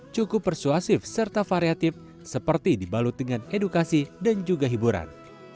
cukup persuasif serta variatif seperti dibalut dengan edukasi dan juga hiburan